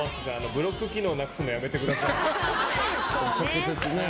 ブロック機能なくすのやめてください。